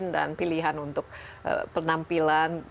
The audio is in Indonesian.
dan pilihan untuk penampilan